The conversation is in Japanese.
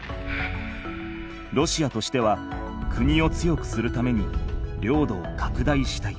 ロシアとしては国を強くするために領土をかくだいしたい。